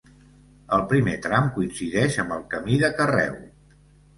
El primer tram coincideix amb el Camí de Carreu.